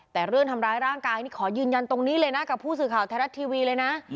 แต่เรื่องทำร้ายร่างกายนี่ขอยืนยันตรงนี้เลยนะกับผู้สื่อข่าวไทยรัฐทีวีเลยนะ